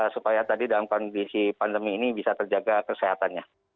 supaya tadi dalam kondisi pandemi ini bisa terjaga kesehatannya